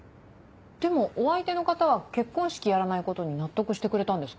でもお相手の方は結婚式やらないことに納得してくれたんですか？